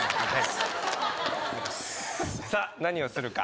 はいさあ何をするか？